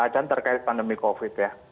dan terkait pandemi covid ya